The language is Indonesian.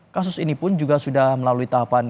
kasus ini pun juga sudah melalui tahapan